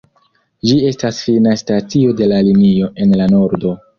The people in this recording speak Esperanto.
Ĝi estas fina stacio de la linio en la nordo.